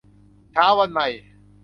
เช้าวันใหม่